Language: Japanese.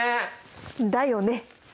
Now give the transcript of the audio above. だよね。